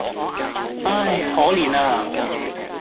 唉！可憐呀！